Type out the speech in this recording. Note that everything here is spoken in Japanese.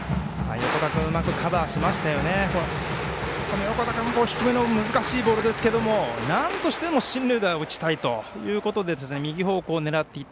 横田君低めの難しいボールですけれどもなんとしても進塁打を打ちたいということで右方向を狙っていった。